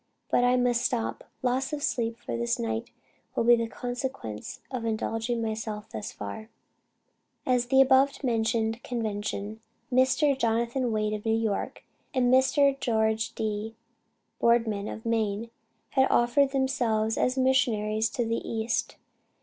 But I must stop. Loss of sleep for this night will be the consequence of indulging myself thus far." At the above mentioned Convention, Mr. Jonathan Wade of New York, and Mr. George D. Boardman of Maine, had offered themselves as Missionaries to the East.